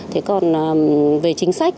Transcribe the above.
thế còn về chính sách